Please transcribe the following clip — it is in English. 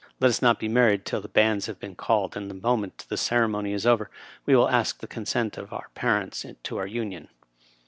Let ns not be married till the bands have been called, and the moment the ceremony is over we will ask the consent of our par ents to our union."